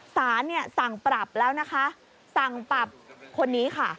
สารเนี่ยสั่งปรับแล้วนะคะสั่งปรับคนนี้ค่ะ